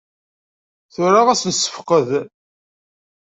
Tura ad s-nessefqed.